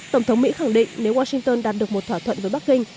tổng thống mỹ khẳng định nếu washington đạt được một thỏa thuận với bắc kinh